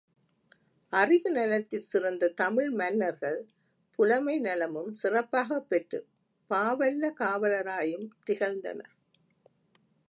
அறிவு நலத்திற் சிறந்த தமிழ் மன்னர்கள் புலமை நலமும் சிறப்பாகப் பெற்றுப் பாவல்ல காவலராயும் திகழ்ந்தனர்.